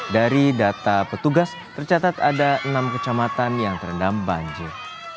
dari data petugas tercatat ada enam kecamatan yang terendam banjir